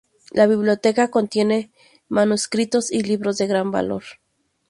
La biblioteca contiene manuscritos y libros de gran valor.